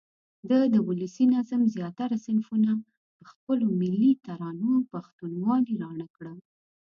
ده د ولسي نظم زیاتره صنفونه په خپلو ملي ترانو او پښتونوالې راڼه کړه.